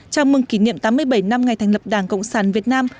chào mừng kỷ niệm tám mươi bảy năm ngày thành lập đảng cộng sản việt nam